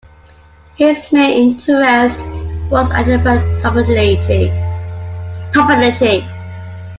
His main interest was algebraic topology.